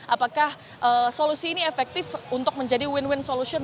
apakah solusi ini efektif untuk menjadi win win solution